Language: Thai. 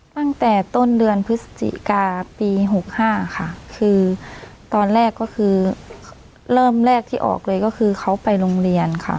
ตั้งแต่ต้นเดือนพฤศจิกาปีหกห้าค่ะคือตอนแรกก็คือเริ่มแรกที่ออกเลยก็คือเขาไปโรงเรียนค่ะ